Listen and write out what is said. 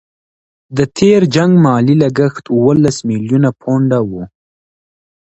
د تېر جنګ مالي لګښت اوولس میلیونه پونډه وو.